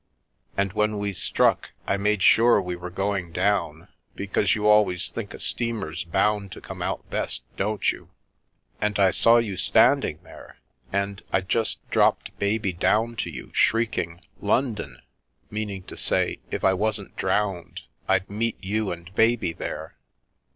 And when we struck, I made sure we were going down, because you always think' a steamer's bound to come out best, don't you? And I saw you standing there, and I just dropped baby down to you, shrieking ' London/ meaning to say, if I wasn't drowned, I'd meet you and baby there."